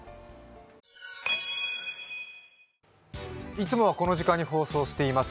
いつもはこの時間に放送しています